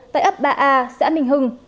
tại ấp ba a xã minh hưng